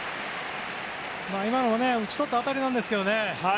今のも打ち取った当たりなんですけどね。